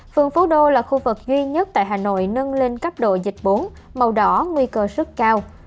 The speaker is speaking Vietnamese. phường phú đô là khu vực duy nhất tại hà nội nâng lên cấp độ dịch bốn màu đỏ nguy cơ rất cao